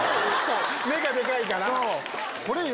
目がでかいから。